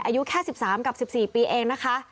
อายุแค่๑๓กับ๑๔ปีเองนะคะ